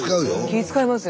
気遣いますよ。